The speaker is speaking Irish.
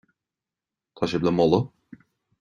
Tá sibh le moladh.